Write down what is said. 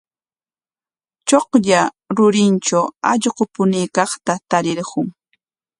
Chuklla rurintraw allqu puñuykaqta tarirqun.